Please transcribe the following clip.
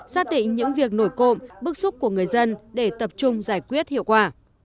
xác định những việc nổi cộm bức xúc của người dân để tập trung giải quyết hiệu quả